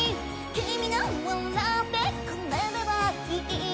君が笑ってくれればいい」